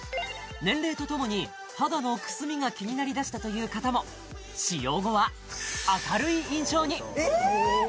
年齢とともに肌のくすみが気になりだしたという方も使用後は明るい印象にえ！